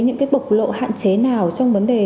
những cái bộc lộ hạn chế nào trong vấn đề